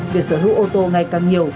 việc sở hữu ô tô ngày càng nhiều